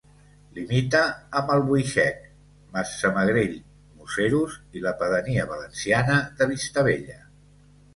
Limita amb Albuixec, Massamagrell, Museros i la pedania valenciana de Vistabella.